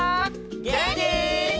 げんき？